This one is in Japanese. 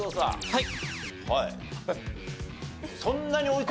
はい。